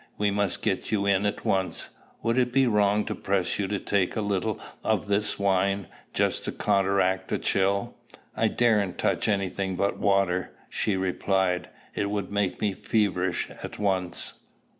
"We must get you in at once. Would it be wrong to press you to take a little of this wine, just to counteract a chill?" "I daren't touch any thing but water," she replied, "It would make me feverish at once."